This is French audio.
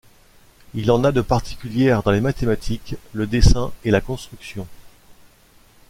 Il en a de particulières dans les mathématiques, le dessin et la construction.